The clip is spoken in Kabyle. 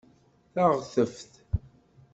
Taɣteft